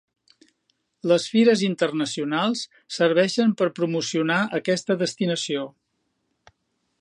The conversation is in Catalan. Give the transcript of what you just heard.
Les fires internacionals serveixen per promocionar aquesta destinació.